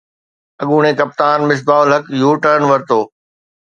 اڳوڻي ڪپتان مصباح الحق يوٽرن ورتو